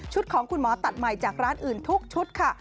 ของคุณหมอตัดใหม่จากร้านอื่นทุกชุดค่ะ